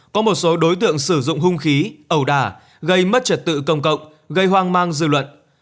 có một số đối tượng sử dụng hung khí ẩu đà gây mất trật tự công cộng gây hoang mang dư luận